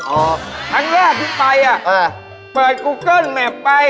อ๋อครั้งแรกที่ไปเปิดกูเกิ้ลเม็บไป